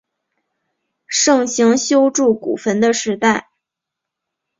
盛行修筑古坟的时代。